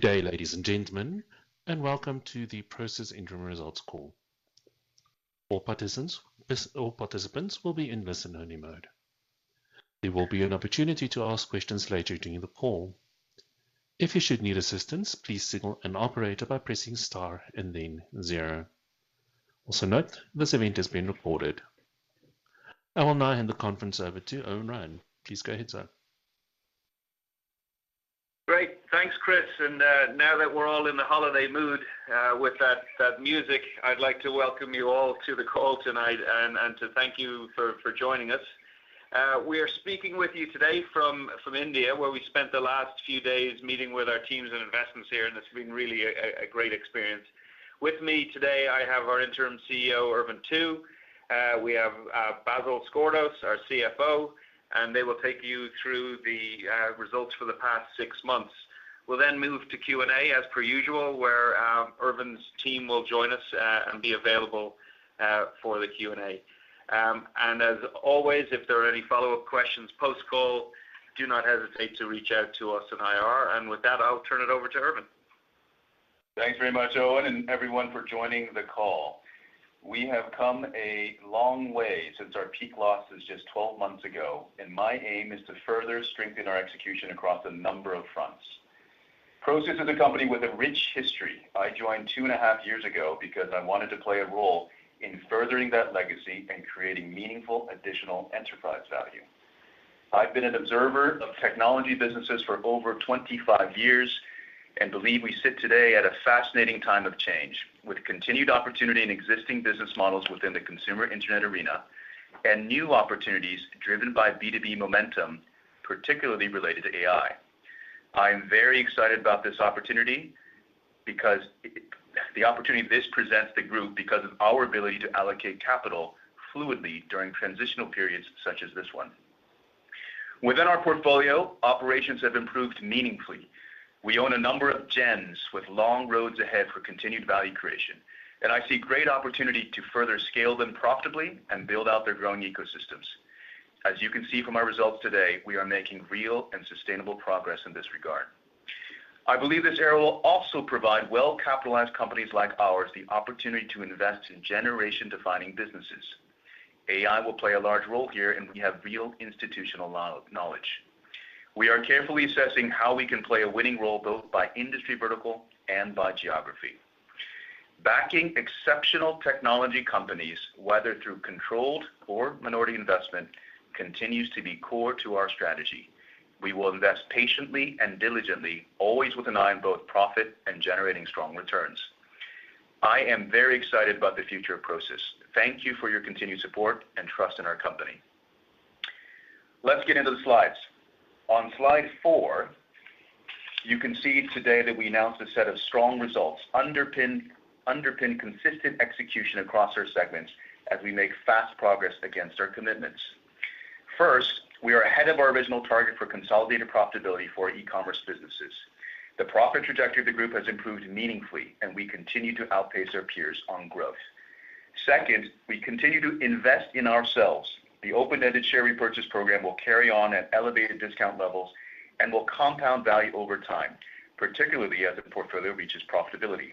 Good day, ladies and gentlemen, and welcome to the Prosus Interim Results Call. All participants will be in listen-only mode. There will be an opportunity to ask questions later during the call. If you should need assistance, please signal an operator by pressing star and then zero. Also note, this event is being recorded. I will now hand the conference over to Eoin Ryan. Please go ahead, sir. Great. Thanks, Chris. Now that we're all in the holiday mood, with that music, I'd like to welcome you all to the call tonight and to thank you for joining us. We are speaking with you today from India, where we spent the last few days meeting with our teams and investments here, and it's been really a great experience. With me today, I have our interim CEO, Ervin Tu. We have Basil Sgourdos, our CFO, and they will take you through the results for the past six months. We'll then move to Q&A as per usual, where Ervin's team will join us and be available for the Q&A. As always, if there are any follow-up questions post-call, do not hesitate to reach out to us in IR. With that, I'll turn it over to Ervin. Thanks very much, Eoin, and everyone for joining the call. We have come a long way since our peak losses just 12 months ago, and my aim is to further strengthen our execution across a number of fronts. Prosus is a company with a rich history. I joined two and a half years ago because I wanted to play a role in furthering that legacy and creating meaningful additional enterprise value. I've been an observer of technology businesses for over 25 years and believe we sit today at a fascinating time of change, with continued opportunity in existing business models within the consumer internet arena and new opportunities driven by B2B momentum, particularly related to AI. I'm very excited about this opportunity because... the opportunity this presents the group because of our ability to allocate capital fluidly during transitional periods such as this one. Within our portfolio, operations have improved meaningfully. We own a number of gems with long roads ahead for continued value creation, and I see great opportunity to further scale them profitably and build out their growing ecosystems. As you can see from our results today, we are making real and sustainable progress in this regard. I believe this era will also provide well-capitalized companies like ours, the opportunity to invest in generation-defining businesses. AI will play a large role here, and we have real institutional know-how. We are carefully assessing how we can play a winning role, both by industry vertical and by geography. Backing exceptional technology companies, whether through controlled or minority investment, continues to be core to our strategy. We will invest patiently and diligently, always with an eye on both profit and generating strong returns. I am very excited about the future of Prosus. Thank you for your continued support and trust in our company. Let's get into the slides. On slide four, you can see today that we announced a set of strong results, underpinned consistent execution across our segments as we make fast progress against our commitments. First, we are ahead of our original target for consolidated profitability for e-commerce businesses. The profit trajectory of the group has improved meaningfully, and we continue to outpace our peers on growth. Second, we continue to invest in ourselves. The open-ended share repurchase program will carry on at elevated discount levels and will compound value over time, particularly as the portfolio reaches profitability.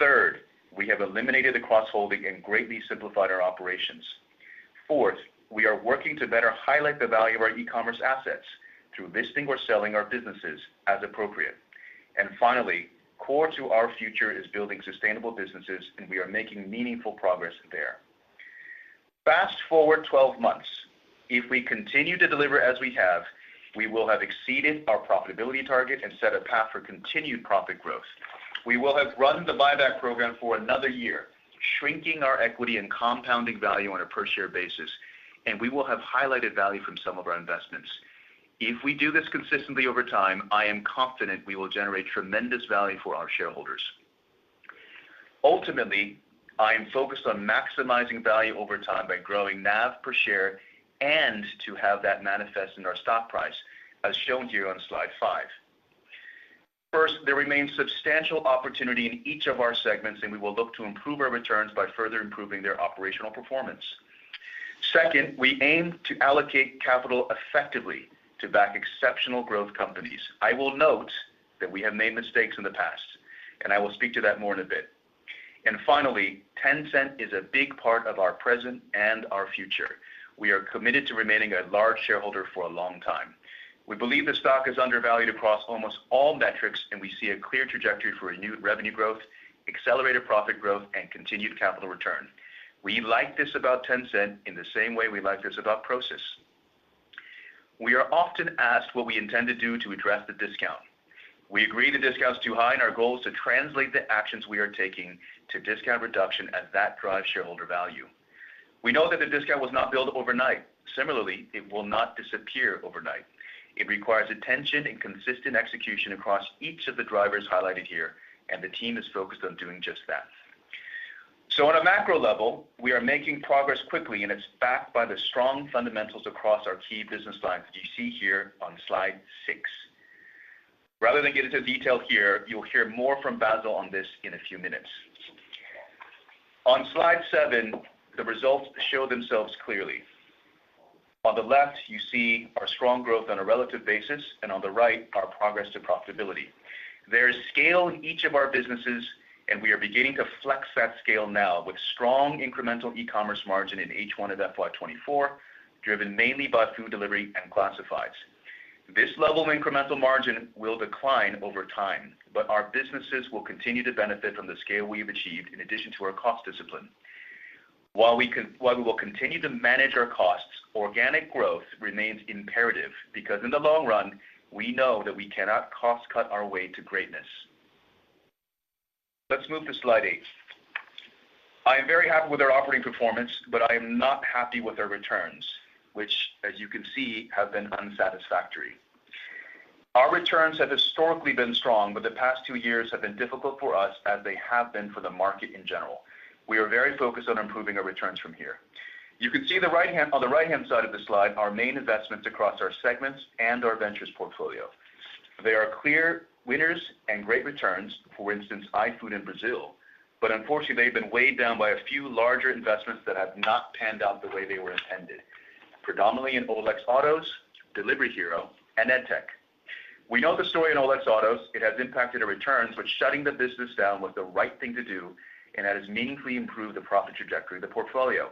Third, we have eliminated the cross-holding and greatly simplified our operations. Fourth, we are working to better highlight the value of our e-commerce assets through divesting or selling our businesses as appropriate. Finally, core to our future is building sustainable businesses, and we are making meaningful progress there. Fast-forward 12 months, if we continue to deliver as we have, we will have exceeded our profitability target and set a path for continued profit growth. We will have run the buyback program for another year, shrinking our equity and compounding value on a per-share basis, and we will have highlighted value from some of our investments. If we do this consistently over time, I am confident we will generate tremendous value for our shareholders. Ultimately, I am focused on maximizing value over time by growing NAV per share and to have that manifest in our stock price, as shown to you on slide 5. First, there remains substantial opportunity in each of our segments, and we will look to improve our returns by further improving their operational performance. Second, we aim to allocate capital effectively to back exceptional growth companies. I will note that we have made mistakes in the past, and I will speak to that more in a bit. Finally, Tencent is a big part of our present and our future. We are committed to remaining a large shareholder for a long time. We believe the stock is undervalued across almost all metrics, and we see a clear trajectory for renewed revenue growth, accelerated profit growth, and continued capital return. We like this about Tencent in the same way we like this about Prosus. We are often asked what we intend to do to address the discount. We agree the discount is too high, and our goal is to translate the actions we are taking to discount reduction as that drives shareholder value. We know that the discount was not built overnight. Similarly, it will not disappear overnight. It requires attention and consistent execution across each of the drivers highlighted here, and the team is focused on doing just that. On a macro level, we are making progress quickly, and it's backed by the strong fundamentals across our key business lines that you see here on slide 6. Rather than get into dEtail here, you'll hear more from Basil on this in a few minutes. Slide 7, the results show themselves clearly. On the left, you see our strong growth on a relative basis, and on the right, our progress to profitability. There is scale in each of our businesses, and we are beginning to flex that scale now with strong incremental e-commerce margin in H1 of FY 2024, driven mainly by food delivery and classifieds. This level of incremental margin will decline over time, but our businesses will continue to benefit from the scale we've achieved in addition to our cost discipline. While we will continue to manage our costs, organic growth remains imperative because in the long run, we know that we cannot cost-cut our way to greatness. Let's move to slide 8. I am very happy with our operating performance, but I am not happy with our returns, which, as you can see, have been unsatisfactory. Our returns have historically been strong, but the past two years have been difficult for us as they have been for the market in general. We are very focused on improving our returns from here. You can see on the right-hand side of the slide, our main investments across our segments and our ventures portfolio. They are clear winners and great returns, for instance, iFood in Brazil, but unfortunately, they've been weighed down by a few larger investments that have not panned out the way they were intended, predominantly in OLX Autos, Delivery Hero, and EdTech. We know the story in OLX Autos. It has impacted our returns, but shutting the business down was the right thing to do, and that has meaningfully improved the profit trajectory of the portfolio.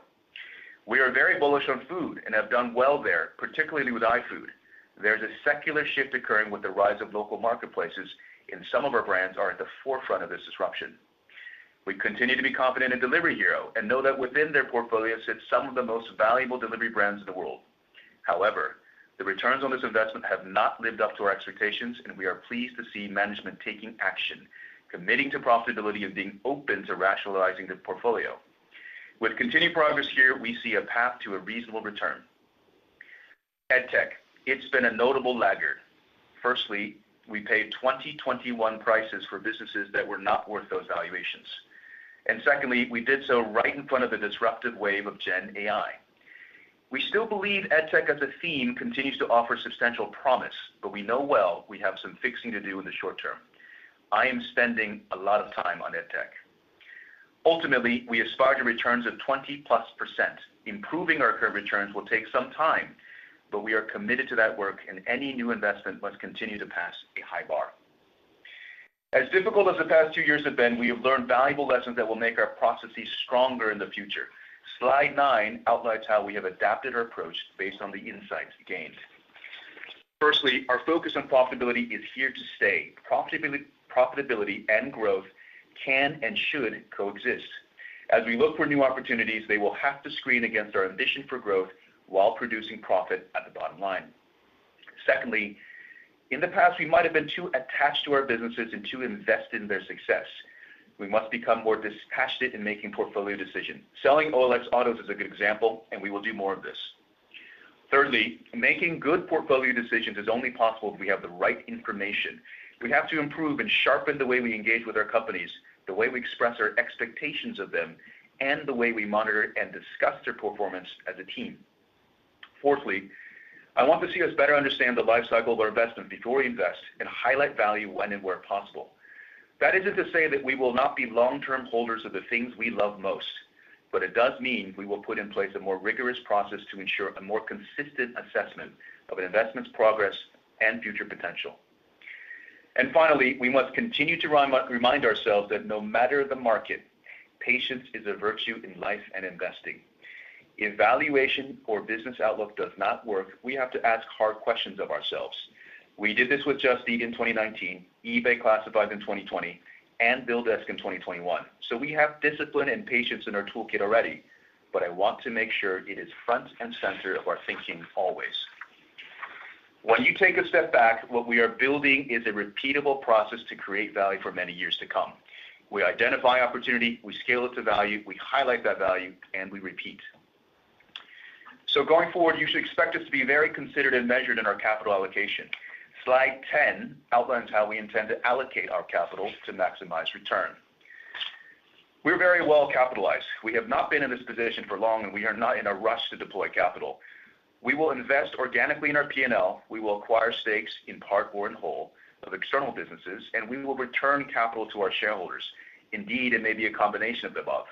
We are very bullish on food and have done well there, particularly with iFood. There's a secular shift occurring with the rise of local marketplaces, and some of our brands are at the forefront of this disruption. We continue to be confident in Delivery Hero and know that within their portfolio sits some of the most valuable delivery brands in the world. However, the returns on this investment have not lived up to our expectations, and we are pleased to see management taking action, committing to profitability and being open to rationalizing the portfolio. With continued progress here, we see a path to a reasonable return. EdTech, it's been a notable laggard. Firstly, we paid 2021 prices for businesses that were not worth those valuations. And secondly, we did so right in front of a disruptive wave of Gen AI. We still believe EdTech as a theme, continues to offer substantial promise, but we know well we have some fixing to do in the short term. I am spending a lot of time on EdTech. Ultimately, we aspire to returns of 20%+. Improving our current returns will take some time, but we are committed to that work, and any new investment must continue to pass a high bar. As difficult as the past two years have been, we have learned valuable lessons that will make our processes stronger in the future. Slide nine outlines how we have adapted our approach based on the insights gained. Firstly, our focus on profitability is here to stay. Profitability and growth can and should coexist. As we look for new opportunities, they will have to screen against our ambition for growth while producing profit at the bottom line. Secondly, in the past, we might have been too attached to our businesses and too invested in their success. We must become more dispassionate in making portfolio decisions. Selling OLX Autos is a good example, and we will do more of this. Thirdly, making good portfolio decisions is only possible if we have the right information. We have to improve and sharpen the way we engage with our companies, the way we express our expectations of them, and the way we monitor and discuss their performance as a team. Fourthly, I want to see us better understand the life cycle of our investment before we invest and highlight value when and where possible. That isn't to say that we will not be long-term holders of the things we love most, but it does mean we will put in place a more rigorous process to ensure a more consistent assessment of an investment's progress and future potential. And finally, we must continue to remind ourselves that no matter the market, patience is a virtue in life and investing. If valuation or business outlook does not work, we have to ask hard questions of ourselves. We did this with Just Eat in 2019, eBay Classifieds in 2020, and BillDesk in 2021. So we have discipline and patience in our toolkit already, but I want to make sure it is front and center of our thinking always. When you take a step back, what we are building is a repeatable process to create value for many years to come. We identify opportunity, we scale it to value, we highlight that value, and we repeat. So going forward, you should expect us to be very considered and measured in our capital allocation. Slide 10 outlines how we intend to allocate our capital to maximize return. We're very well capitalized. We have not been in this position for long, and we are not in a rush to deploy capital. We will invest organically in our P&L. We will acquire stakes in part or in whole of external businesses, and we will return capital to our shareholders. Indeed, it may be a combination of the above.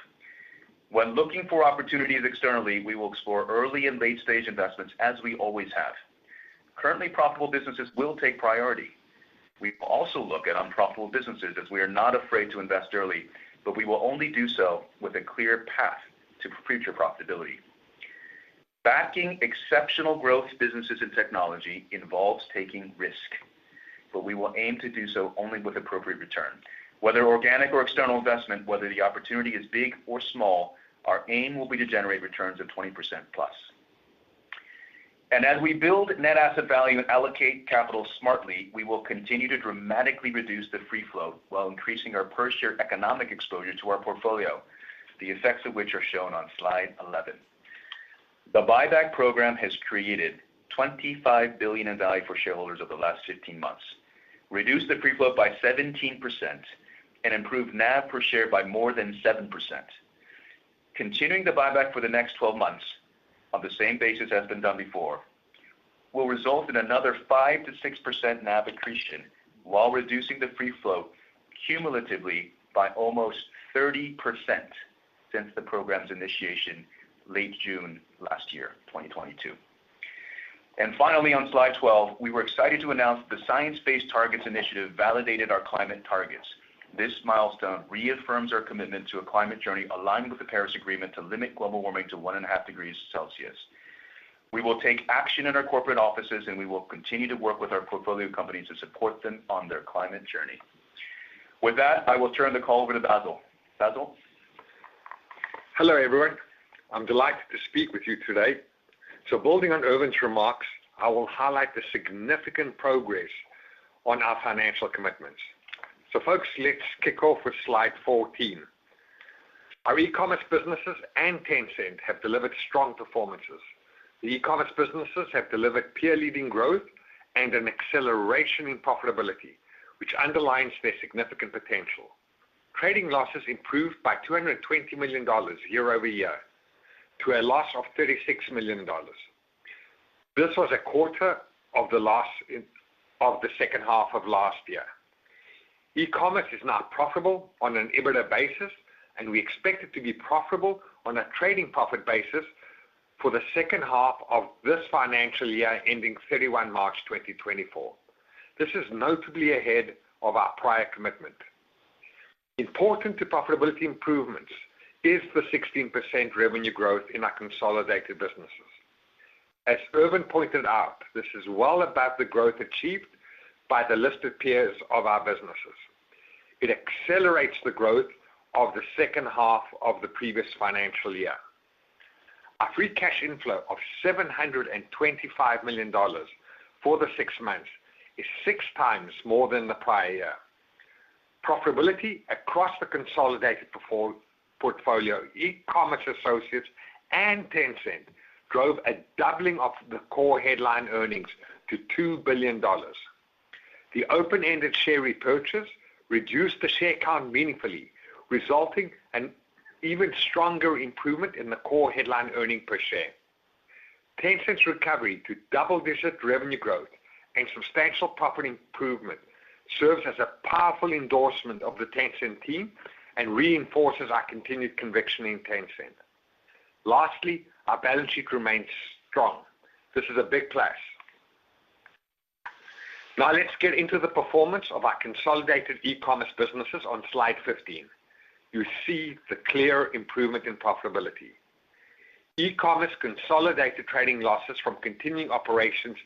When looking for opportunities externally, we will explore early and late-stage investments, as we always have. Currently, profitable businesses will take priority. We also look at unprofitable businesses as we are not afraid to invest early, but we will only do so with a clear path to future profitability. Backing exceptional growth businesses in technology involves taking risk, but we will aim to do so only with appropriate return. Whether organic or external investment, whether the opportunity is big or small, our aim will be to generate returns of 20%+. As we build net asset value and allocate capital smartly, we will continue to dramatically reduce the free float while increasing our per share economic exposure to our portfolio, the effects of which are shown on slide 11. The buyback program has created $25 billion in value for shareholders over the last 15 months, reduced the free float by 17%, and improved NAV per share by more than 7%. Continuing the buyback for the next 12 months on the same basis as has been done before will result in another 5%-6% NAV accretion while reducing the free float cumulatively by almost 30% since the program's initiation late June last year, 2022. Finally, on slide 12, we were excited to announce the Science Based Targets initiative validated our climate targets. This milestone reaffirms our commitment to a climate journey aligned with the Paris Agreement to limit global warming to one and a half degrees Celsius. We will take action in our corporate offices, and we will continue to work with our portfolio companies to support them on their climate journey. With that, I will turn the call over to Basil. Basil? Hello, everyone. I'm delighted to speak with you today. Building on Ervin's remarks, I will highlight the significant progress on our financial commitments. Folks, let's kick off with slide 14. Our e-commerce businesses and Tencent have delivered strong performances. The e-commerce businesses have delivered peer-leading growth and an acceleration in profitability, which underlines their significant potential. Trading losses improved by $220 million year-over-year, to a loss of $36 million. This was a quarter of the loss of the second half of last year. E-commerce is now profitable on an EBITDA basis, and we expect it to be profitable on a trading profit basis for the second half of this financial year, ending 31 March 2024. This is notably ahead of our prior commitment. Important to profitability improvements is the 16% revenue growth in our consolidated businesses. As Ervin pointed out, this is well above the growth achieved by the listed peers of our businesses. It accelerates the growth of the second half of the previous financial year. Our free cash inflow of $725 million for the six months is 6 times more than the prior year. Profitability across the consolidated portfolio, e-commerce associates and Tencent, drove a doubling of the core headline earnings to $2 billion. The open-ended share repurchase reduced the share count meaningfully, resulting in an even stronger improvement in the core headline earnings per share. Tencent's recovery to double-digit revenue growth and substantial profit improvement serves as a powerful endorsement of the Tencent team and reinforces our continued conviction in Tencent. Lastly, our balance sheet remains strong. This is a big plus. Now, let's get into the performance of our consolidated e-commerce businesses on slide 15. You see the clear improvement in profitability. E-commerce consolidated trading losses from continuing operations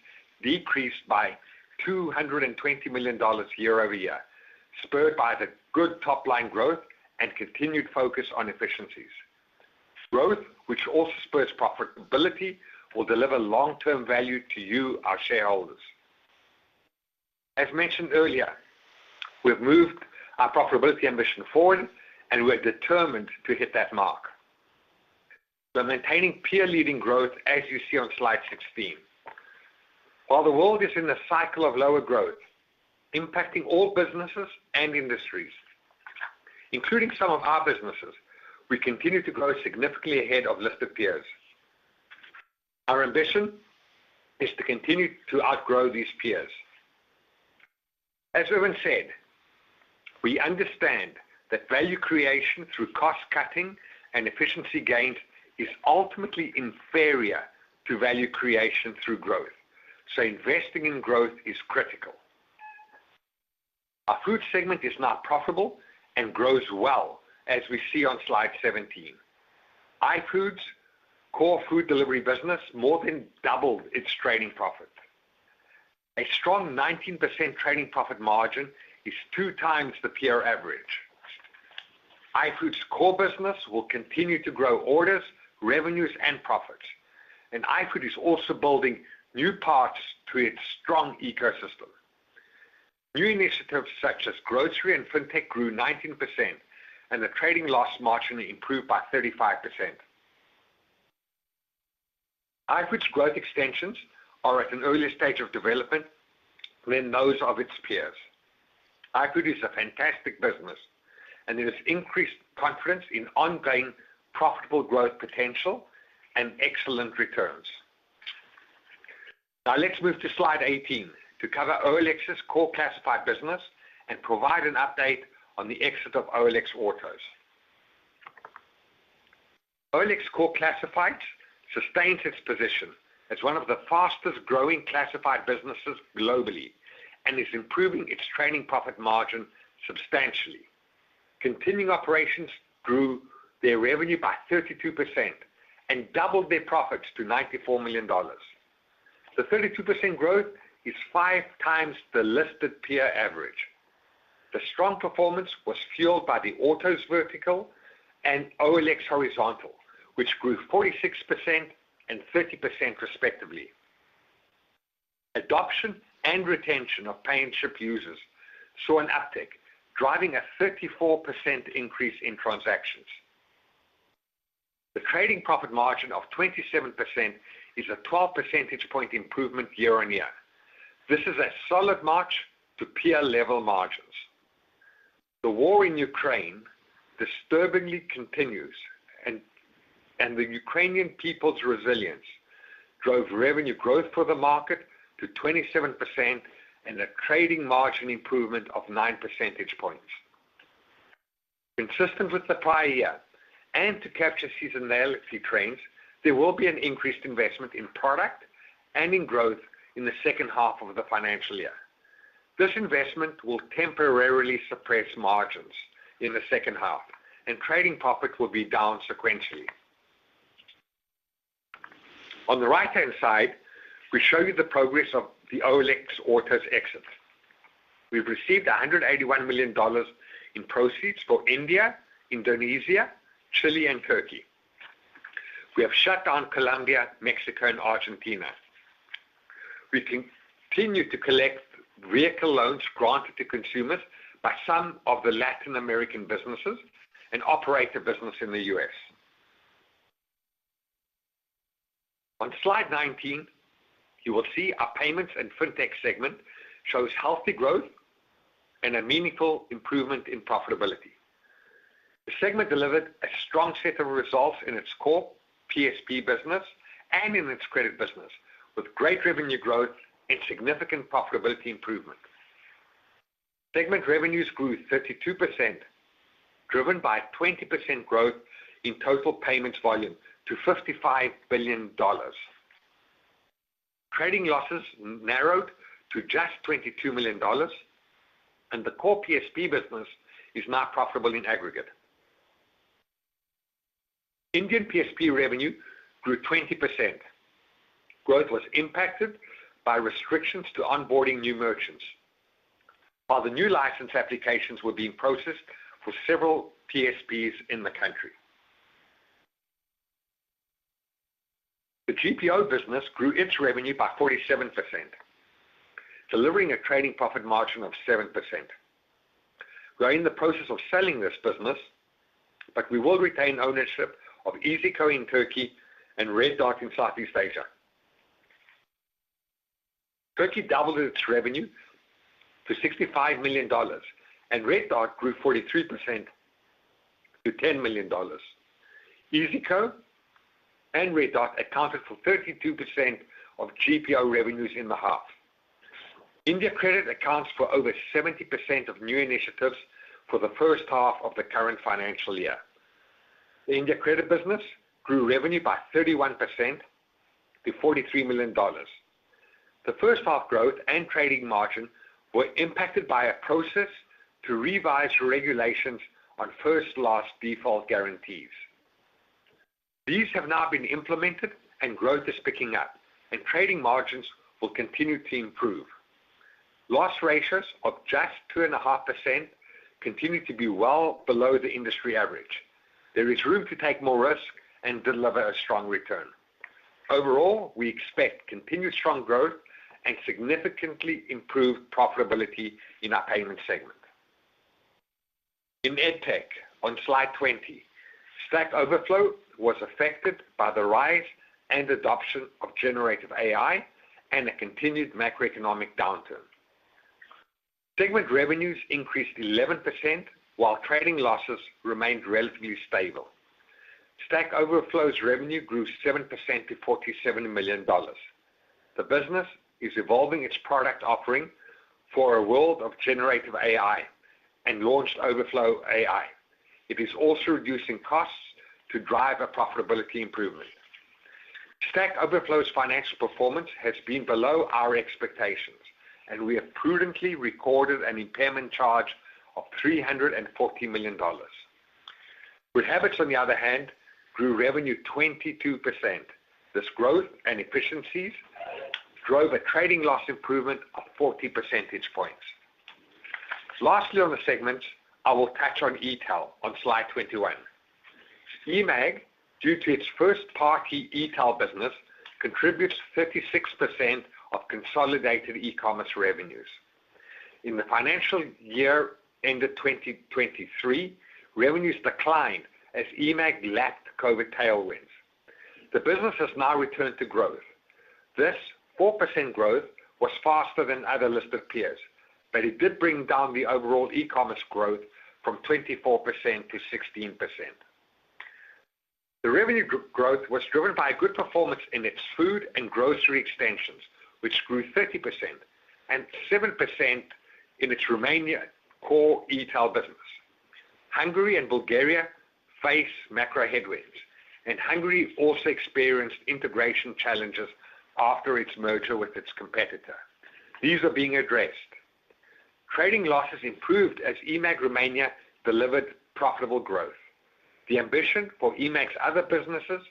decreased by $220 million year-over-year, spurred by the good top-line growth and continued focus on efficiencies. Growth, which also spurs profitability, will deliver long-term value to you, our shareholders. As mentioned earlier, we've moved our profitability ambition forward, and we're determined to hit that mark. We're maintaining peer-leading growth, as you see on slide 16. While the world is in a cycle of lower growth, impacting all businesses and industries, including some of our businesses, we continue to grow significantly ahead of listed peers. Our ambition is to continue to outgrow these peers. As Ervin said, we understand that value creation through cost-cutting and efficiency gains is ultimately inferior to value creation through growth, so investing in growth is critical. Our food segment is now profitable and grows well, as we see on slide 17. iFood's core food delivery business more than doubled its trading profit. A strong 19% trading profit margin is two times the peer average. iFood's core business will continue to grow orders, revenues, and profits, and iFood is also building new parts to its strong ecosystem. New initiatives such as grocery and Fintech grew 19%, and the trading loss margin improved by 35%. iFood's growth extensions are at an earlier stage of development than those of its peers. iFood is a fantastic business, and it has increased confidence in ongoing profitable growth potential and excellent returns. Now, let's move to slide 18 to cover OLX's core classified business and provide an update on the exit of OLX Autos. OLX Core Classified sustained its position as one of the fastest-growing classified businesses globally and is improving its trading profit margin substantially. Continuing operations grew their revenue by 32% and doubled their profits to $94 million. The 32% growth is 5 times the listed peer average. The strong performance was fueled by the autos vertical and OLX horizontal, which grew 46% and 30%, respectively. Adoption and retention of paid ship users saw an uptick, driving a 34% increase in transactions. The trading profit margin of 27% is a 12 percentage point improvement year-on-year. This is a solid march to peer-level margins. The war in Ukraine disturbingly continues, and the Ukrainian people's resilience drove revenue growth for the market to 27% and a trading margin improvement of 9 percentage points. Consistent with the prior year, and to capture seasonality trends, there will be an increased investment in product and in growth in the second half of the financial year. This investment will temporarily suppress margins in the second half, and trading profits will be down sequentially. On the right-hand side, we show you the progress of the OLX Autos exit. We've received $181 million in proceeds for India, Indonesia, Chile, and Turkey. We have shut down Colombia, Mexico, and Argentina. We continue to collect vehicle loans granted to consumers by some of the Latin American businesses and operate the business in the U.S. On slide 19, you will see our payments and Fintech segment shows healthy growth and a meaningful improvement in profitability. The segment delivered a strong set of results in its core PSP business and in its credit business, with great revenue growth and significant profitability improvement. Segment revenues grew 32%, driven by 20% growth in total payments volume to $55 billion. Trading losses narrowed to just $22 million, and the core PSP business is now profitable in aggregate. Indian PSP revenue grew 20%. Growth was impacted by restrictions to onboarding new merchants, while the new license applications were being processed for several PSPs in the country. The GPO business grew its revenue by 47%, delivering a trading profit margin of 7%. We are in the process of selling this business, but we will retain ownership of iyzico in Turkey and Red Dot in Southeast Asia. Turkey doubled its revenue to $65 million, and Red Dot grew 43% to $10 million. iyzico and Red Dot accounted for 32% of GPO revenues in the half. India Credit accounts for over 70% of new initiatives for the first half of the current financial year. The India Credit business grew revenue by 31% to $43 million. The first half growth and trading margin were impacted by a process to revise regulations on first loss default guarantees. These have now been implemented, and growth is picking up, and trading margins will continue to improve. Loss ratios of just 2.5% continue to be well below the industry average. There is room to take more risk and deliver a strong return. Overall, we expect continued strong growth and significantly improved profitability in our payment segment. In EdTech, on slide 20, Stack Overflow was affected by the rise and adoption of generative AI and a continued macroeconomic downturn. Segment revenues increased 11%, while trading losses remained relatively stable. Stack Overflow's revenue grew 7% to $47 million. The business is evolving its product offering for a world of generative AI and launched OverflowAI. It is also reducing costs to drive a profitability improvement. Stack Overflow's financial performance has been below our expectations, and we have prudently recorded an impairment charge of $340 million. GoodHabitz, on the other hand, grew revenue 22%. This growth and efficiencies drove a trading loss improvement of 40 percentage points. Lastly, on the segments, I will touch on Etail on slide 21. eMAG, due to its first-party Etail business, contributes 36% of consolidated e-commerce revenues. In the financial year ended 2023, revenues declined as eMAG lacked COVID tailwinds. The business has now returned to growth. This 4% growth was faster than other listed peers, but it did bring down the overall e-commerce growth from 24% to 16%. The revenue growth was driven by a good performance in its food and grocery extensions, which grew 30% and 7% in its Romania core Etail business. Hungary and Bulgaria face macro headwinds, and Hungary also experienced integration challenges after its merger with its competitor. These are being addressed. Trading losses improved as eMAG Romania delivered profitable growth. The ambition for eMAG's other businesses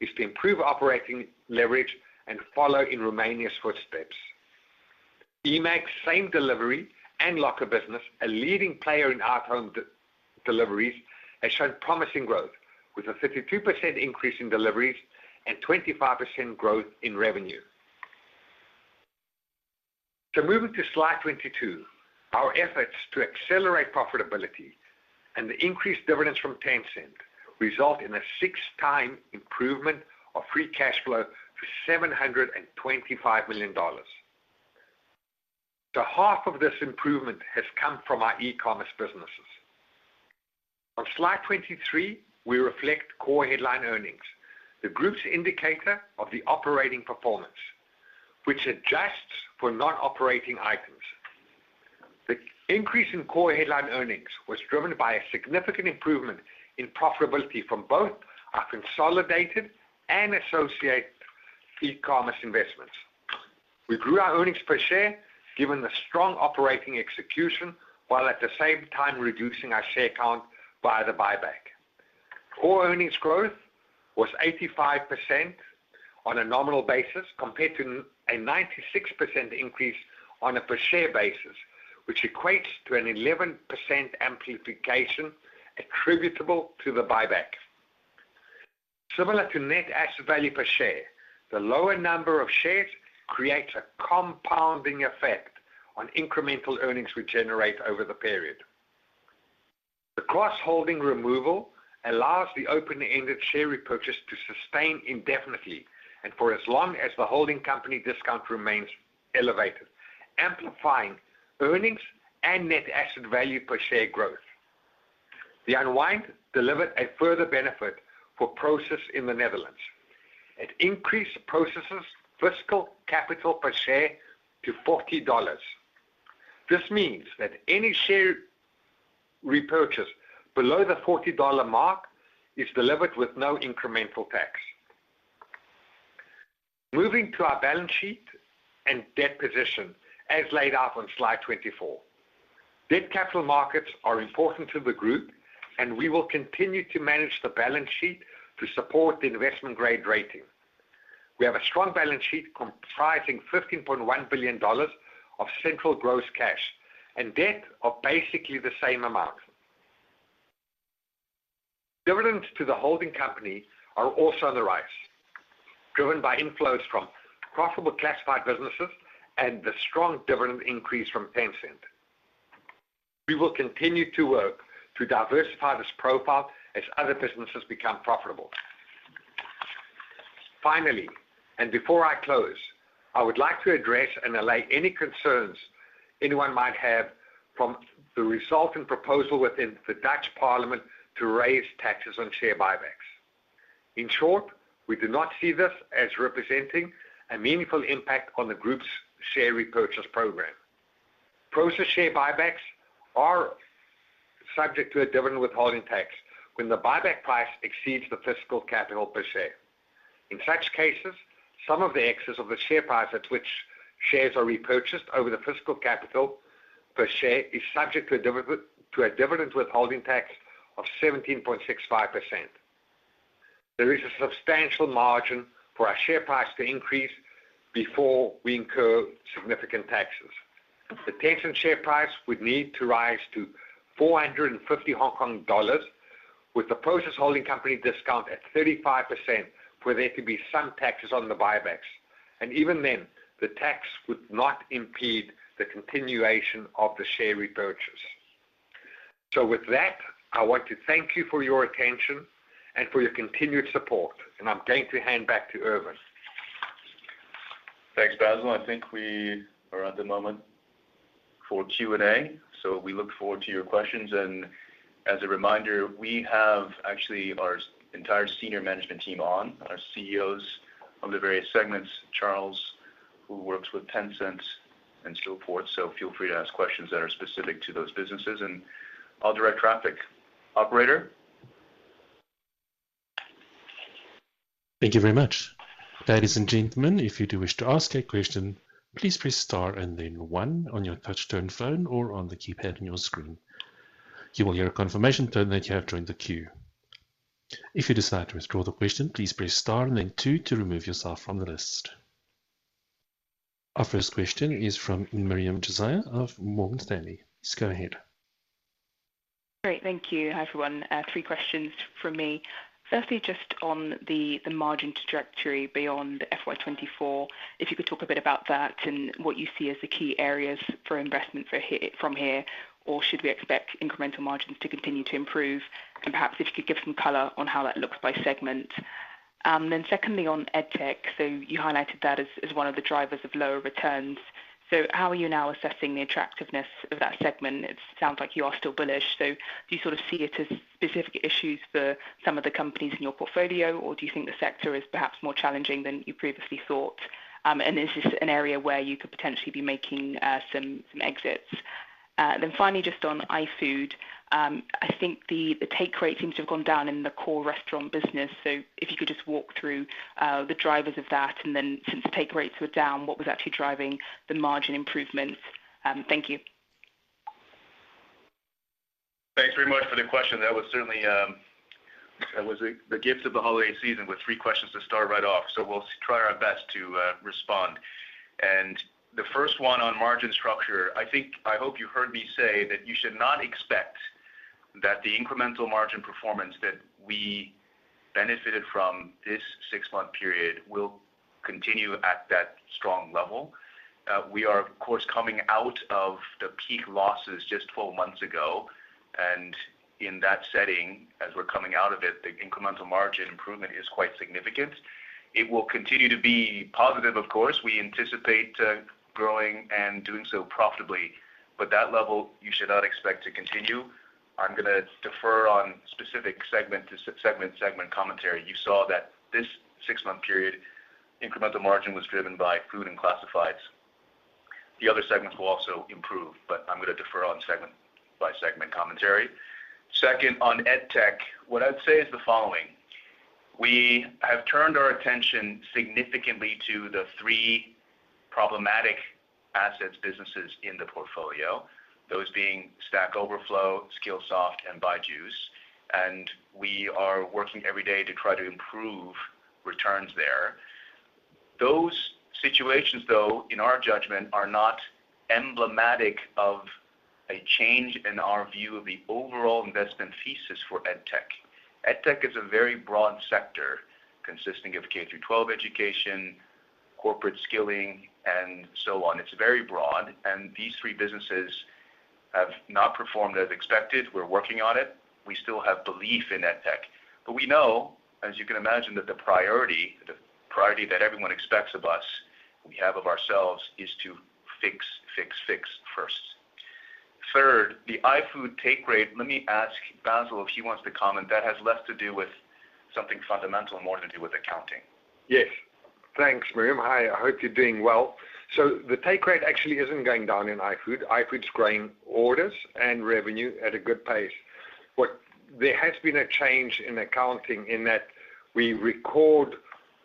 is to improve operating leverage and follow in Romania's footsteps. eMAG Same Delivery and Locker Business, a leading player in out-home deliveries, has shown promising growth, with a 52% increase in deliveries and 25% growth in revenue. So moving to slide 22, our efforts to accelerate profitability and the increased dividends from Tencent result in a 6-time improvement of free cash flow to $725 million. So half of this improvement has come from our e-commerce businesses. On slide 23, we reflect core headline earnings, the group's indicator of the operating performance, which adjusts for non-operating items. The increase in core headline earnings was driven by a significant improvement in profitability from both our consolidated and associate e-commerce investments. We grew our earnings per share, given the strong operating execution, while at the same time reducing our share count via the buyback. Core earnings growth was 85% on a nominal basis, compared to a 96% increase on a per share basis, which equates to an 11% amplification attributable to the buyback. Similar to net asset value per share, the lower number of shares creates a compounding effect on incremental earnings we generate over the period. The cross-holding removal allows the open-ended share repurchase to sustain indefinitely and for as long as the holding company discount remains elevated, amplifying earnings and net asset value per share growth. The unwind delivered a further benefit for Prosus in the Netherlands. It increased Prosus' fiscal capital per share to $40. This means that any share repurchase below the $40 mark is delivered with no incremental tax. Moving to our balance sheet and debt position, as laid out on slide 24. Debt capital markets are important to the group, and we will continue to manage the balance sheet to support the investment-grade rating. We have a strong balance sheet comprising $15.1 billion of central gross cash and debt of basically the same amount. Dividends to the holding company are also on the rise, driven by inflows from profitable classified businesses and the strong dividend increase from Tencent. We will continue to work to diversify this profile as other businesses become profitable. Finally, before I close, I would like to address and allay any concerns anyone might have from the resulting proposal within the Dutch Parliament to raise taxes on share buybacks. In short, we do not see this as representing a meaningful impact on the group's share repurchase program. Prosus share buybacks are subject to a dividend withholding tax when the buyback price exceeds the fiscal capital per share. In such cases, some of the excess of the share price at which shares are repurchased over the fiscal capital per share is subject to a dividend withholding tax of 17.65%. There is a substantial margin for our share price to increase before we incur significant taxes. The Tencent share price would need to rise to 450 Hong Kong dollars, with the Prosus holding company discount at 35%, where there could be some taxes on the buybacks, and even then, the tax would not impede the continuation of the share repurchase. So with that, I want to thank you for your attention and for your continued support, and I'm going to hand back to Ervin. Thanks, Basil. I think we are at the moment for Q&A, so we look forward to your questions. And as a reminder, we have actually our entire senior management team on, our CEOs of the various segments, Charles, who works with Tencent and so forth. So feel free to ask questions that are specific to those businesses, and I'll direct traffic. Operator? Thank you very much. Ladies and gentlemen, if you do wish to ask a question, please press star and then one on your touchtone phone or on the keypad on your screen. You will hear a confirmation tone that you have joined the queue. If you decide to withdraw the question, please press star and then two to remove yourself from the list. Our first question is from Maryam Sheridan of Morgan Stanley. Please go ahead. Great, thank you. Hi, everyone. Three questions from me. Firstly, just on the margin trajectory beyond FY 2024, if you could talk a bit about that and what you see as the key areas for investment from here, or should we expect incremental margins to continue to improve? And perhaps if you could give some color on how that looks by segment. Then secondly, on EdTech, so you highlighted that as one of the drivers of lower returns. So how are you now assessing the attractiveness of that segment? It sounds like you are still bullish, so do you sort of see it as specific issues for some of the companies in your portfolio, or do you think the sector is perhaps more challenging than you previously thought? And is this an area where you could potentially be making some exits? Then finally, just on iFood, I think the take rate seems to have gone down in the core restaurant business. So if you could just walk through the drivers of that, and then since the take rates were down, what was actually driving the margin improvements? Thank you. Thanks very much for the question. That was certainly that was the gift of the holiday season with three questions to start right off. So we'll try our best to respond. And the first one on margin structure, I think, I hope you heard me say that you should not expect that the incremental margin performance that we benefited from this six-month period will continue at that strong level. We are, of course, coming out of the peak losses just 12 months ago.... And in that setting, as we're coming out of it, the incremental margin improvement is quite significant. It will continue to be positive, of course. We anticipate growing and doing so profitably, but that level you should not expect to continue. I'm gonna defer on specific segment to segment, segment commentary. You saw that this six-month period, incremental margin was driven by food and classifieds. The other segments will also improve, but I'm gonna defer on segment by segment commentary. Second, on EdTech, what I'd say is the following: We have turned our attention significantly to the three problematic assets businesses in the portfolio, those being Stack Overflow, Skillsoft, and Byju's, and we are working every day to try to improve returns there. Those situations, though, in our judgment, are not emblematic of a change in our view of the overall investment thesis for EdTech. EdTech is a very broad sector consisting of K-12 education, corporate skilling, and so on. It's very broad, and these three businesses have not performed as expected. We're working on it. We still have belief in EdTech, but we know, as you can imagine, that the priority, the priority that everyone expects of us, we have of ourselves, is to fix, fix, fix first. Third, the iFood take rate. Let me ask Basil if he wants to comment. That has less to do with something fundamental, more to do with accounting. Yes. Thanks, Miriam. Hi, I hope you're doing well. So the take rate actually isn't going down in iFood. iFood's growing orders and revenue at a good pace. But there has been a change in accounting in that we record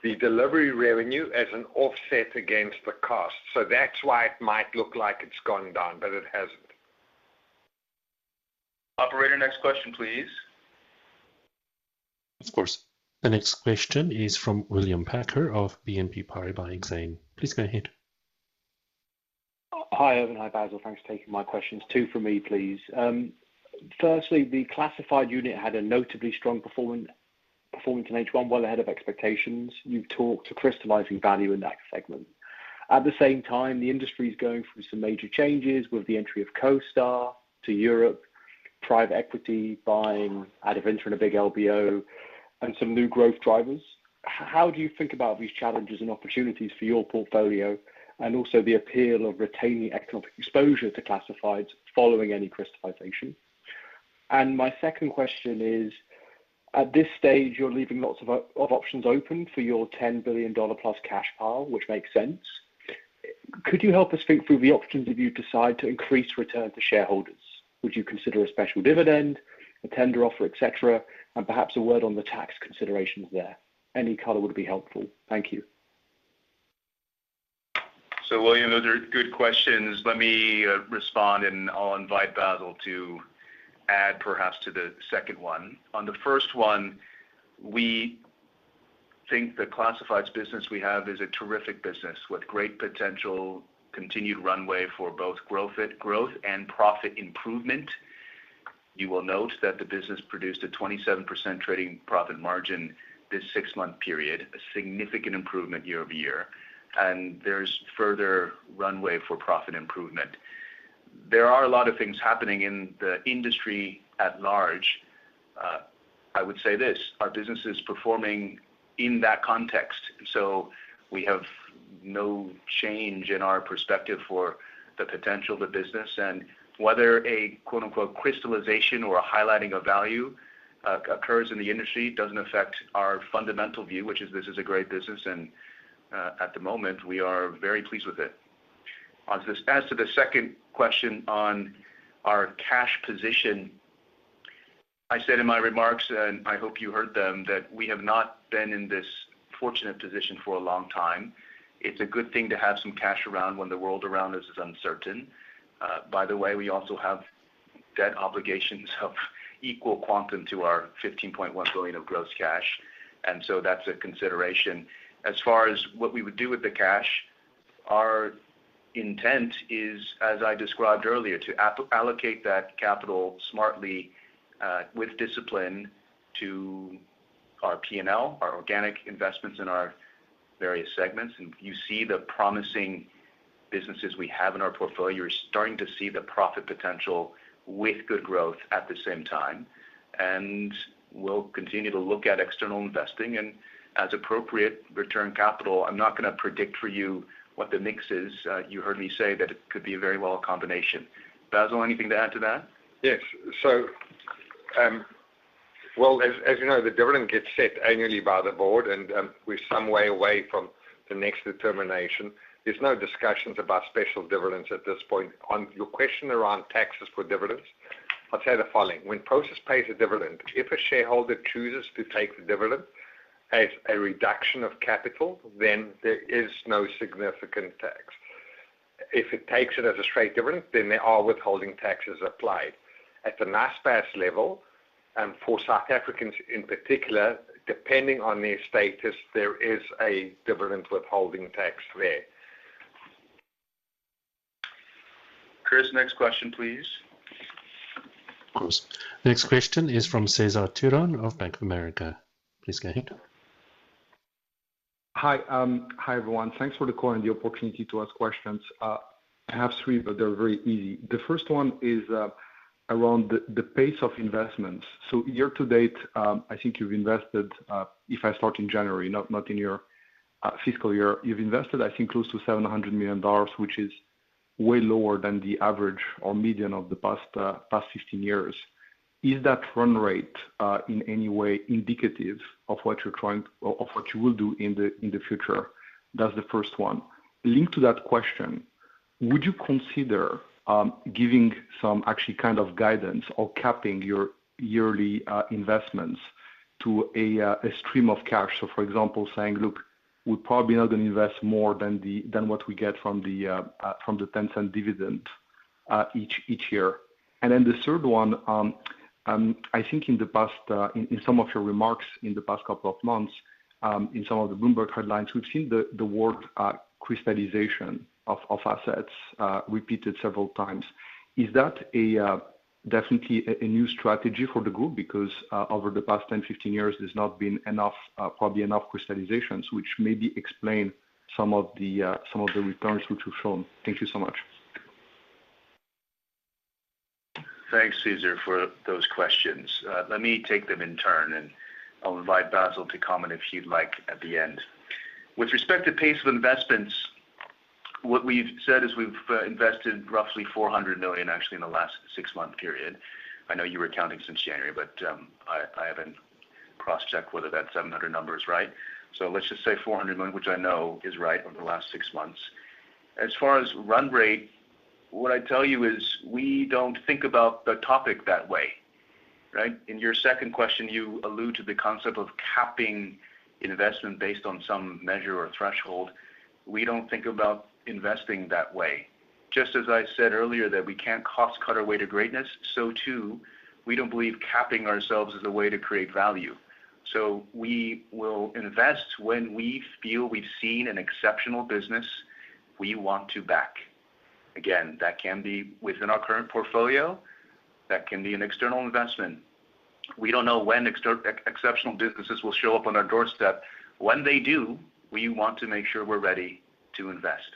the delivery revenue as an offset against the cost. So that's why it might look like it's gone down, but it hasn't. Operator, next question, please. Of course. The next question is from William Packer of BNP Paribas Exane. Please go ahead. Hi, Eoin. Hi, Basil. Thanks for taking my questions. Two for me, please. Firstly, the classified unit had a notably strong performance in H1, well ahead of expectations. You've talked to crystallizing value in that segment. At the same time, the industry is going through some major changes with the entry of CoStar to Europe, private equity buying Adevinta in a big LBO, and some new growth drivers. How do you think about these challenges and opportunities for your portfolio, and also the appeal of retaining economic exposure to classifieds following any crystallization? And my second question is: At this stage, you're leaving lots of options open for your $10 billion+ cash pile, which makes sense. Could you help us think through the options if you decide to increase return to shareholders? Would you consider a special dividend, a tender offer, et cetera, and perhaps a word on the tax considerations there? Any color would be helpful. Thank you. So, William, those are good questions. Let me respond, and I'll invite Basil to add, perhaps, to the second one. On the first one, we think the classified business we have is a terrific business with great potential, continued runway for both growth, growth and profit improvement. You will note that the business produced a 27% trading profit margin this six-month period, a significant improvement year-over-year, and there's further runway for profit improvement. There are a lot of things happening in the industry at large. I would say this: our business is performing in that context, so we have no change in our perspective for the potential of the business, and whether a quote, unquote, "crystallization" or a highlighting of value occurs in the industry doesn't affect our fundamental view, which is this is a great business, and at the moment, we are very pleased with it. On to the... As to the second question on our cash position, I said in my remarks, and I hope you heard them, that we have not been in this fortunate position for a long time. It's a good thing to have some cash around when the world around us is uncertain. By the way, we also have debt obligations of equal quantum to our $15.1 billion of gross cash, and so that's a consideration. As far as what we would do with the cash, our intent is, as I described earlier, to allocate that capital smartly, with discipline to our P&L, our organic investments in our various segments. And you see the promising businesses we have in our portfolio. You're starting to see the profit potential with good growth at the same time, and we'll continue to look at external investing and, as appropriate, return capital. I'm not gonna predict for you what the mix is. You heard me say that it could be very well a combination. Basil, anything to add to that? Yes. So, well, as you know, the dividend gets set annually by the board, and we're some way away from the next determination. There's no discussions about special dividends at this point. On your question around taxes for dividends, I'll tell you the following: When Prosus pays a dividend, if a shareholder chooses to take the dividend as a reduction of capital, then there is no significant tax. If it takes it as a straight dividend, then there are withholding taxes applied. At the Naspers level, and for South Africans in particular, depending on their status, there is a dividend withholding tax there. Chris, next question, please. Of course. The next question is from Cesar Tiron of Bank of America. Please go ahead. ... Hi, hi, everyone. Thanks for the call and the opportunity to ask questions. I have three, but they're very easy. The first one is around the pace of investments. So year to date, I think you've invested, if I start in January, not in your fiscal year, you've invested, I think, close to $700 million, which is way lower than the average or median of the past 15 years. Is that run rate in any way indicative of what you're trying of what you will do in the future? That's the first one. Linked to that question, would you consider giving some actually kind of guidance or capping your yearly investments to a stream of cash? So for example, saying, "Look, we're probably not going to invest more than the, than what we get from the Tencent dividend, each year." And then the third one, I think in the past, in some of your remarks in the past couple of months, in some of the Bloomberg headlines, we've seen the word crystallization of assets repeated several times. Is that definitely a new strategy for the group? Because over the past 10, 15 years, there's not been enough, probably enough crystallizations, which maybe explain some of the returns which you've shown. Thank you so much. Thanks, Cesar, for those questions. Let me take them in turn, and I'll invite Basil to comment if he'd like at the end. With respect to pace of investments, what we've said is we've invested roughly $400 million, actually, in the last six-month period. I know you were counting since January, but I haven't cross-checked whether that $700 number is right. So let's just say $400 million, which I know is right over the last six months. As far as run rate, what I'd tell you is we don't think about the topic that way, right? In your second question, you allude to the concept of capping investment based on some measure or threshold. We don't think about investing that way. Just as I said earlier, that we can't cost cut our way to greatness, so too, we don't believe capping ourselves is a way to create value. So we will invest when we feel we've seen an exceptional business we want to back. Again, that can be within our current portfolio, that can be an external investment. We don't know when exceptional businesses will show up on our doorstep. When they do, we want to make sure we're ready to invest.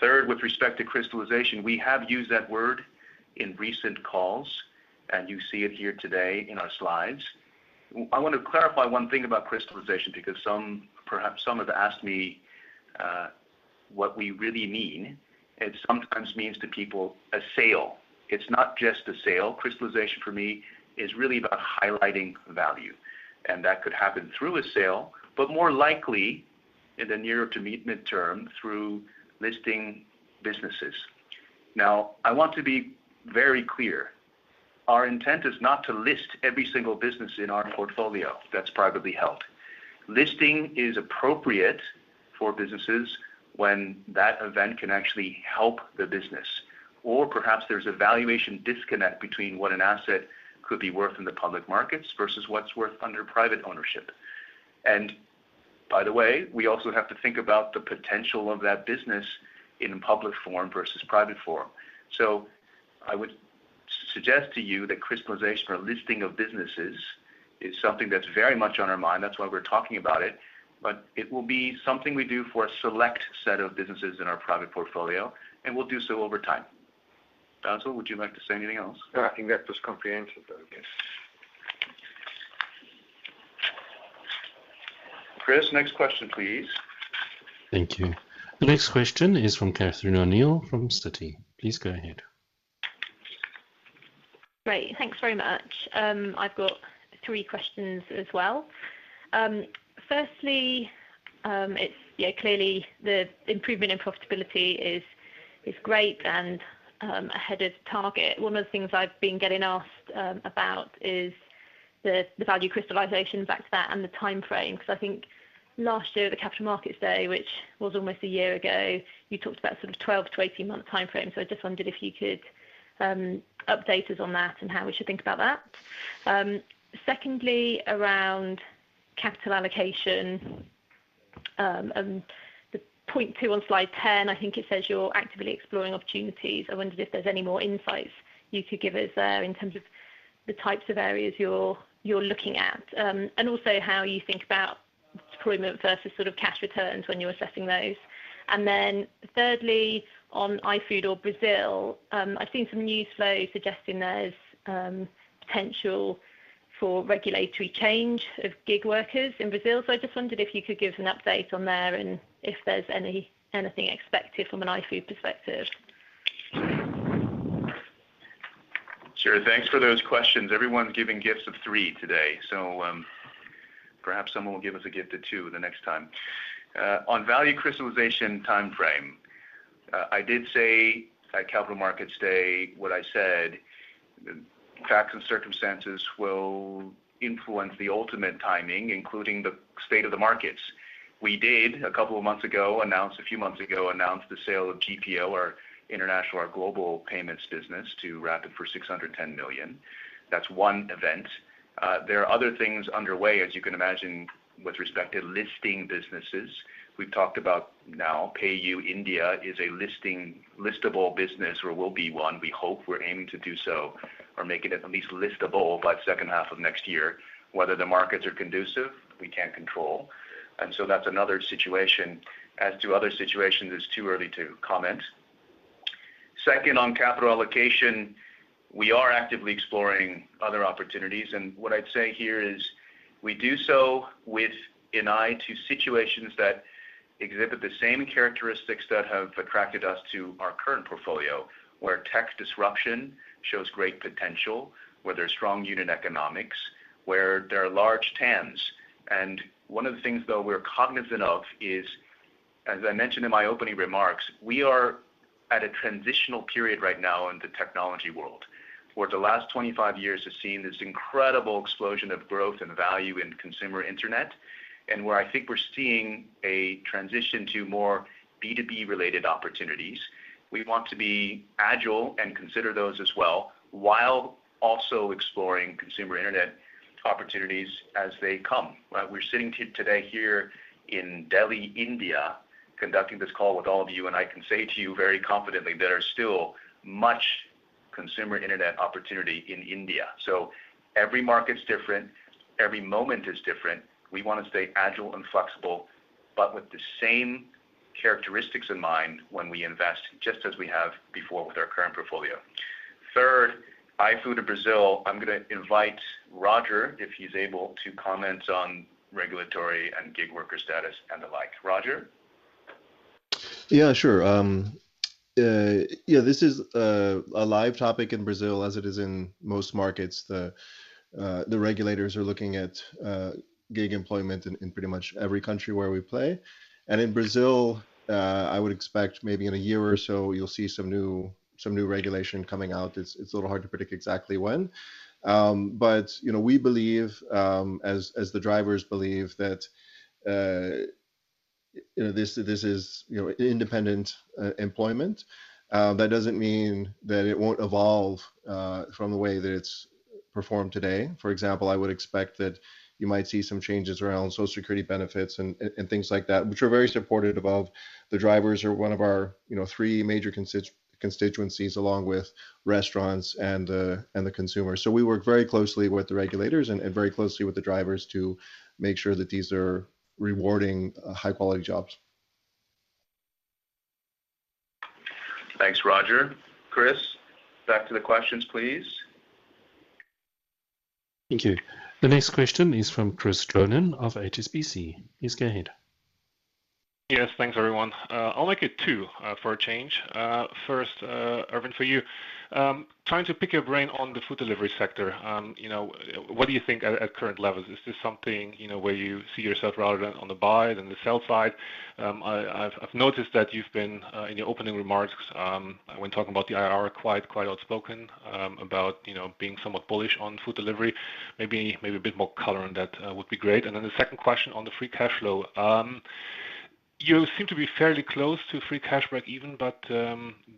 Third, with respect to crystallization, we have used that word in recent calls, and you see it here today in our slides. I want to clarify one thing about crystallization, because some, perhaps some have asked me what we really mean. It sometimes means to people a sale. It's not just a sale. Crystallization, for me, is really about highlighting value, and that could happen through a sale, but more likely in the near to mid-term, through listing businesses. Now, I want to be very clear. Our intent is not to list every single business in our portfolio that's privately held. Listing is appropriate for businesses when that event can actually help the business or perhaps there's a valuation disconnect between what an asset could be worth in the public markets versus what's worth under private ownership. And by the way, we also have to think about the potential of that business in public form versus private form. So I would suggest to you that crystallization or listing of businesses is something that's very much on our mind. That's why we're talking about it, but it will be something we do for a select set of businesses in our private portfolio, and we'll do so over time. Basil, would you like to say anything else? No, I think that was comprehensive, though, yes. Cesar, next question, please. Thank you. The next question is from Catherine O'Neill from Citi. Please go ahead. Great. Thanks very much. I've got three questions as well. Firstly, it's, yeah, clearly the improvement in profitability is, is great and, ahead of target. One of the things I've been getting asked about is the, the value crystallization back to that and the time frame, because I think last year at the Capital Markets Day, which was almost a year ago, you talked about sort of 12-18-month time frame. So I just wondered if you could update us on that and how we should think about that. Secondly, around capital allocation, the point 2 on slide 10, I think it says you're actively exploring opportunities. I wondered if there's any more insights you could give us there in terms of the types of areas you're looking at, and also how you think about deployment versus sort of cash returns when you're assessing those. Then thirdly, on iFood or Brazil, I've seen some news flow suggesting there's potential for regulatory change of gig workers in Brazil. So I just wondered if you could give us an update on there and if there's anything expected from an iFood perspective. Sure. Thanks for those questions. Everyone's giving gifts of three today, so perhaps someone will give us a gift of two the next time. On value crystallization time frame, I did say at Capital Markets Day, what I said, facts and circumstances will influence the ultimate timing, including the state of the markets. We did, a few months ago, announce the sale of GPO, our international, our global payments business, to Rapyd for $610 million. That's one event. There are other things underway, as you can imagine, with respect to listing businesses. We've talked about now PayU India is a listing, listable business or will be one. We hope we're aiming to do so or making it at least listable by the second half of next year. Whether the markets are conducive, we can't control, and so that's another situation. As to other situations, it's too early to comment. Second, on capital allocation, we are actively exploring other opportunities, and what I'd say here is we do so with an eye to situations that exhibit the same characteristics that have attracted us to our current portfolio, where tech disruption shows great potential, where there's strong unit economics, where there are large TAMs. And one of the things, though, we're cognizant of is, as I mentioned in my opening remarks, we are at a transitional period right now in the technology world, where the last 25 years has seen this incredible explosion of growth and value in consumer internet, and where I think we're seeing a transition to more B2B related opportunities. We want to be agile and consider those as well, while also exploring consumer internet opportunities as they come. We're sitting today here in Delhi, India, conducting this call with all of you, and I can say to you very confidently there are still much consumer internet opportunity in India. So every market is different, every moment is different. We want to stay agile and flexible, but with the same characteristics in mind when we invest, just as we have before with our current portfolio. Third, iFood in Brazil. I'm going to invite Roger, if he's able, to comment on regulatory and gig worker status and the like. Roger? Yeah, sure. Yeah, this is a live topic in Brazil as it is in most markets. The regulators are looking at gig employment in pretty much every country where we play. And in Brazil, I would expect maybe in a year or so, you'll see some new, some new regulation coming out. It's a little hard to predict exactly when. But, you know, we believe, as the drivers believe that, you know, this, this is, you know, independent employment. That doesn't mean that it won't evolve from the way that it's performed today. For example, I would expect that you might see some changes around Social Security benefits and things like that, which are very supported above. The drivers are one of our, you know, three major constituencies, along with restaurants and the, and the consumer. So we work very closely with the regulators and, and very closely with the drivers to make sure that these are rewarding, high-quality jobs. Thanks, Roger. Chris, back to the questions, please. Thank you. The next question is from Christopher Johnen of HSBC. Please go ahead. Yes, thanks, everyone. I'll make it two, for a change. First, Ervin, for you. Trying to pick your brain on the food delivery sector. You know, what do you think at current levels? Is this something, you know, where you see yourself rather than on the buy than the sell side? I've noticed that you've been in your opening remarks, when talking about the IRR, quite outspoken about being somewhat bullish on food delivery. Maybe a bit more color on that would be great. And then the second question on the free cash flow. You seem to be fairly close to free cash break even, but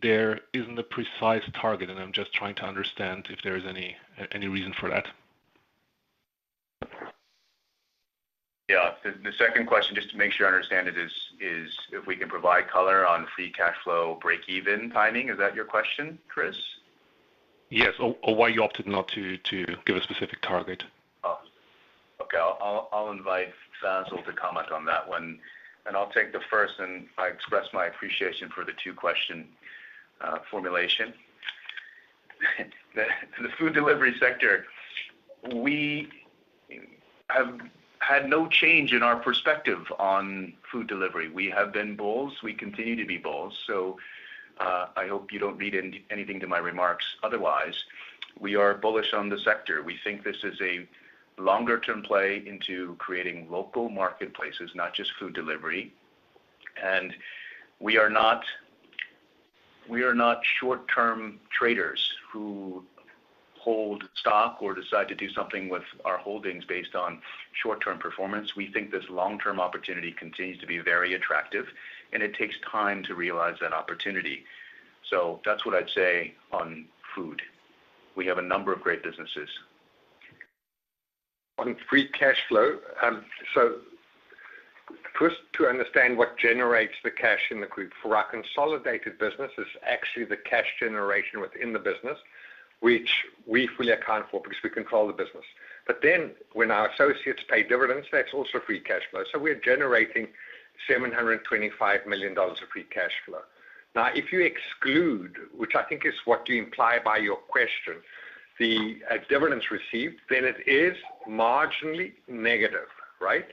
there isn't a precise target, and I'm just trying to understand if there is any reason for that. Yeah. The second question, just to make sure I understand it, is if we can provide color on free cash flow, break-even timing. Is that your question, Christopher? Yes. Or why you opted not to give a specific target? Oh, okay. I'll invite Basil to comment on that one, and I'll take the first, and I express my appreciation for the two-question formulation. The food delivery sector, we have had no change in our perspective on food delivery. We have been bulls; we continue to be bulls, so I hope you don't read anything to my remarks otherwise. We are bullish on the sector. We think this is a longer-term play into creating local marketplaces, not just food delivery. And we are not short-term traders who hold stock or decide to do something with our holdings based on short-term performance. We think this long-term opportunity continues to be very attractive, and it takes time to realize that opportunity. So that's what I'd say on food. We have a number of great businesses. On free cash flow. So first, to understand what generates the cash in the group. For our consolidated business, it's actually the cash generation within the business, which we fully account for because we control the business. But then when our associates pay dividends, that's also free cash flow. So we're generating $725 million of free cash flow. Now, if you exclude, which I think is what you imply by your question, the dividends received, then it is marginally negative, right?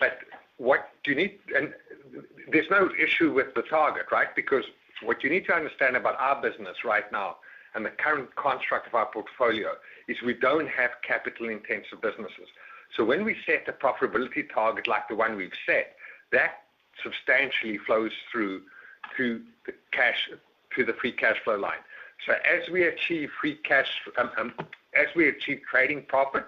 But what you need, and there's no issue with the target, right? Because what you need to understand about our business right now and the current construct of our portfolio is we don't have capital-intensive businesses. So when we set a profitability target like the one we've set, that substantially flows through to the free cash flow line. So as we achieve trading profit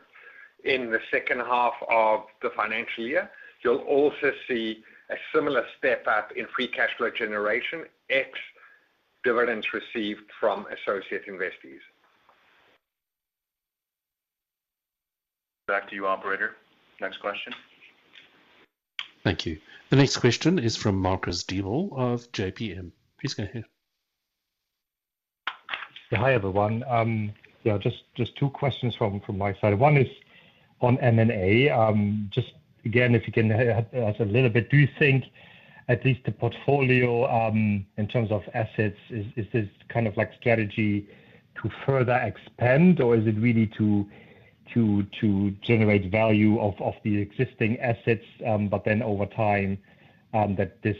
in the second half of the financial year, you'll also see a similar step up in free cash flow generation, ex-dividends received from associate investees.... Back to you, operator. Next question. Thank you. The next question is from Marcus Diebel of JPM. Please go ahead. Hi, everyone. Yeah, just two questions from my side. One is on M&A. Just again, if you can help us a little bit, do you think at least the portfolio in terms of assets is this kind of like strategy to further expand or is it really to generate value of the existing assets, but then over time that this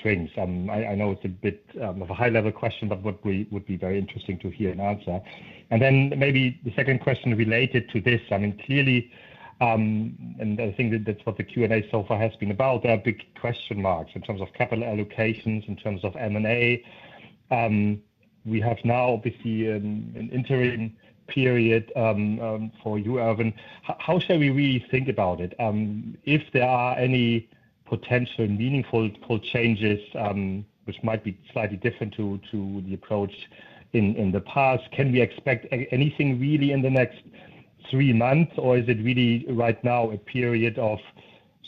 shrinks? I know it's a bit of a high-level question, but would be very interesting to hear an answer. And then maybe the second question related to this, I mean, clearly, and I think that that's what the Q&A so far has been about, there are big question marks in terms of capital allocations, in terms of M&A. We have now obviously for you, Ervin. How should we really think about it? If there are any potential meaningful changes, which might be slightly different to the approach in the past, can we expect anything really in the next three months, or is it really right now a period of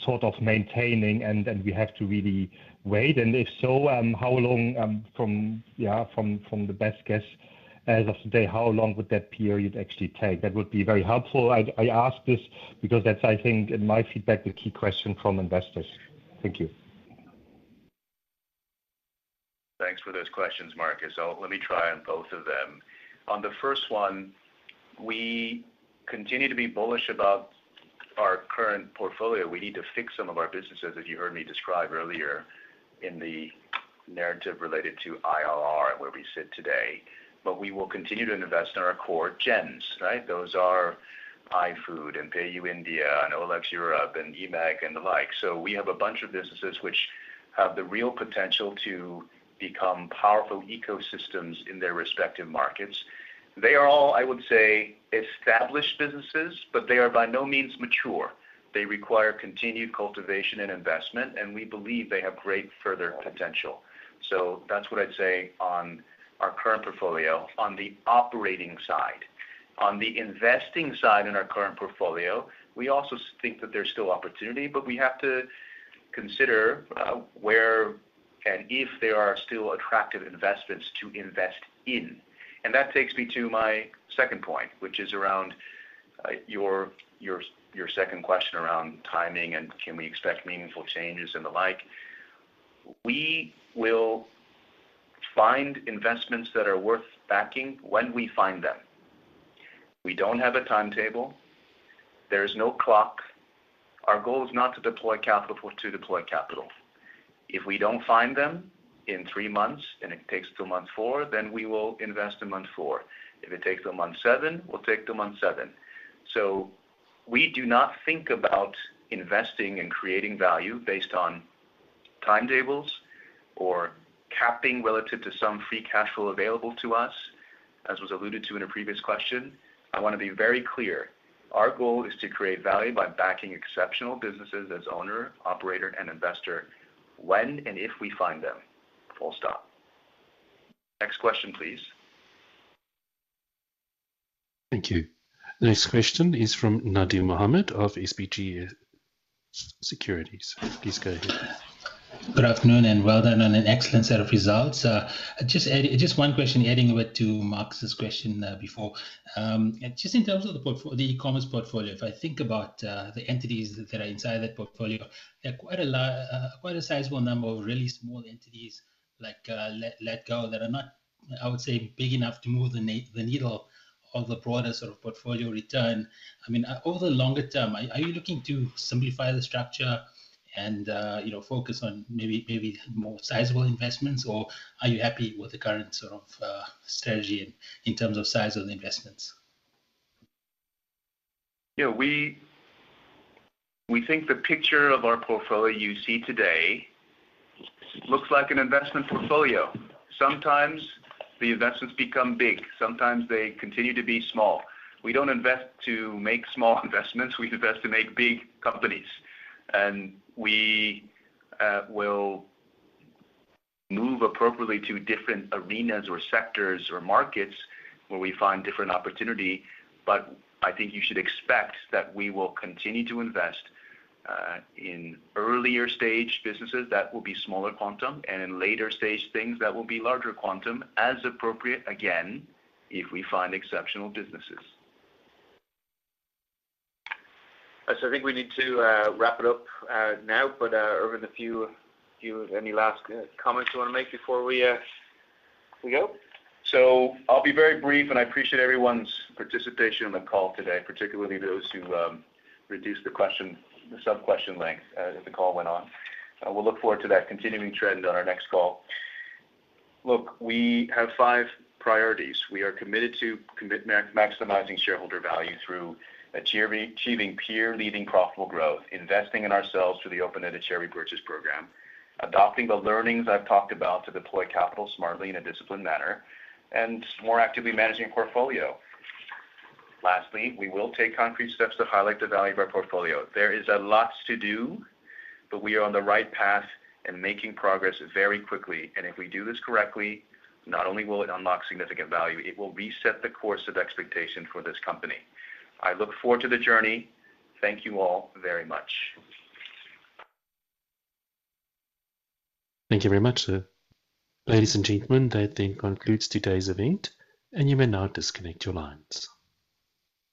sort of maintaining and we have to really wait? And if so, how long from the best guess as of today would that period actually take? That would be very helpful. I ask this because that's, I think, in my feedback, the key question from investors. Thank you. Thanks for those questions, Marcus. So let me try on both of them. On the first one, we continue to be bullish about our current portfolio. We need to fix some of our businesses, as you heard me describe earlier in the narrative related to IRR and where we sit today. But we will continue to invest in our core gens, right? Those are iFood and PayU India, and OLX Europe and eMAG, and the like. So we have a bunch of businesses which have the real potential to become powerful ecosystems in their respective markets. They are all, I would say, established businesses, but they are by no means mature. They require continued cultivation and investment, and we believe they have great further potential. So that's what I'd say on our current portfolio, on the operating side. On the investing side, in our current portfolio, we also think that there's still opportunity, but we have to consider where and if there are still attractive investments to invest in. And that takes me to my second point, which is around your second question around timing and can we expect meaningful changes and the like. We will find investments that are worth backing when we find them. We don't have a timetable. There's no clock. Our goal is not to deploy capital to deploy capital. If we don't find them in three months and it takes till month four, then we will invest in month four. If it takes till month seven, we'll take till month seven. So we do not think about investing and creating value based on timetables or capping relative to some free cash flow available to us, as was alluded to in a previous question. I want to be very clear. Our goal is to create value by backing exceptional businesses as owner, operator, and investor when and if we find them. Full stop. Next question, please. Thank you. The next question is from Nadim Mohamed of SBG Securities. Please go ahead. Good afternoon, and well done on an excellent set of results. Just one question, adding a bit to Marcus's question before. Just in terms of the e-commerce portfolio, if I think about the entities that are inside that portfolio, there are quite a lot, quite a sizable number of really small entities like Letgo that are not, I would say, big enough to move the needle of the broader sort of portfolio return. I mean, over the longer term, are you looking to simplify the structure and you know, focus on maybe more sizable investments? Or are you happy with the current sort of strategy in terms of size of the investments? Yeah, we think the picture of our portfolio you see today looks like an investment portfolio. Sometimes the investments become big, sometimes they continue to be small. We don't invest to make small investments, we invest to make big companies, and we will move appropriately to different arenas or sectors or markets where we find different opportunity. But I think you should expect that we will continue to invest in earlier stage businesses that will be smaller quantum, and in later stage things that will be larger quantum, as appropriate, again, if we find exceptional businesses. So I think we need to wrap it up now. But, Ervin, any last comments you want to make before we go? So I'll be very brief, and I appreciate everyone's participation on the call today, particularly those who reduced the question, the subquestion length, as the call went on. We'll look forward to that continuing trend on our next call. Look, we have five priorities. We are committed to maximizing shareholder value through achieving peer-leading profitable growth, investing in ourselves through the open-ended share repurchase program, adopting the learnings I've talked about to deploy capital smartly in a disciplined manner, and more actively managing portfolio. Lastly, we will take concrete steps to highlight the value of our portfolio. There is a lot to do, but we are on the right path and making progress very quickly. And if we do this correctly, not only will it unlock significant value, it will reset the course of expectation for this company. I look forward to the journey. Thank you all very much. Thank you very much, sir. Ladies and gentlemen, that then concludes today's event, and you may now disconnect your lines.